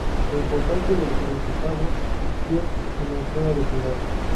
La importancia del Principado de Kiev comenzó a declinar.